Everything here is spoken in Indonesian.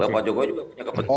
pak jokowi juga punya kepentingan